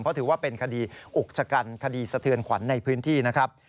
เพราะถือว่าเป็นคดีอุกชะกันคดีสะเทือนขวัญในพื้นที่นะครับ